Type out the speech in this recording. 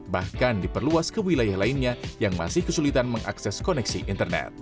bahkan diperluas ke wilayah lainnya yang masih kesulitan mengakses koneksi internet